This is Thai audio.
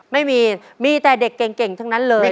ไม่มีมีแต่เด็กเก่งทั้งนั้นเลย